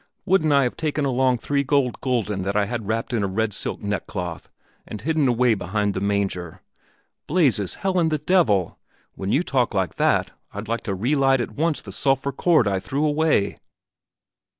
Wouldn't I have taken along three gold gulden that I had wrapped in a red silk neckcloth and hidden away behind the manger? Blazes, hell, and the devil! When you talk like that, I'd like to relight at once the sulphur cord I threw away!"